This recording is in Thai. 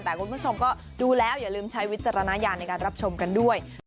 แต่คุณผู้ชมก็ดูแล้วอย่าลืมใช้วิจารณญาณในการรับชมกันด้วย